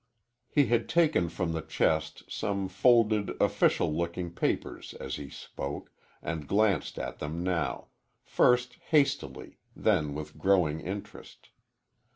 He had taken from the chest some folded official looking papers as he spoke, and glanced at them now, first hastily, then with growing interest.